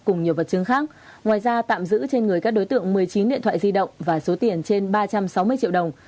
cùng nhiều vật chứng khác ngoài ra tạm giữ trên người các đối tượng một mươi chín điện thoại di động và số tiền trên ba trăm sáu mươi triệu đồng